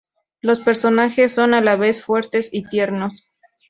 Los personajes son a la vez fuertes y tiernos.